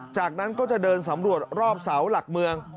จากนั้นก็จะเดินสำรวจรอบเสาหลักเมือง